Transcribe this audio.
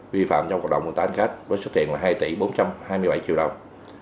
vi phạm trong hoạt động vận tải anh khách với số tiền là hai tỷ bốn trăm hai mươi bảy triệu đồng